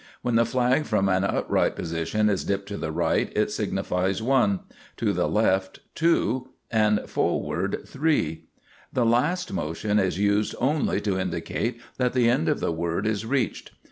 When the flag from an upright position is dipped to the right, it signifies 1; to the left, 2; and forward, 3. The last motion is used only to indicate that the end of the word is reached.